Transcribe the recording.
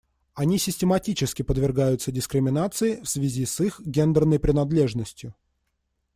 Они систематически подвергаются дискриминации в связи с их гендерной принадлежностью.